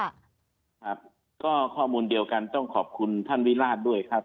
ครับก็ข้อมูลเดียวกันต้องขอบคุณท่านวิราชด้วยครับ